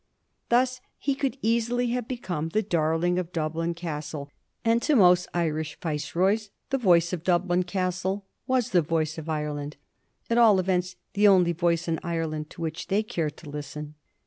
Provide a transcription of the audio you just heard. Thus he would easily have become the darling of Dublin Castle ; and to most Irish Viceroys the voice of Dublin Castle was the voice of Ireland ; at all events, the only voice in Ireland to which they cared to listen.